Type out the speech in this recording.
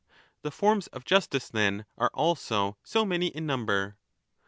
The forms of justice then are also so many in number.